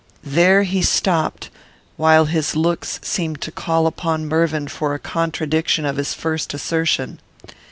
There he stopped; while his looks seemed to call upon Mervyn for a contradiction of his first assertion.